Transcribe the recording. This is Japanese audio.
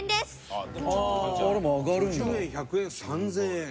５０円１００円３０００円。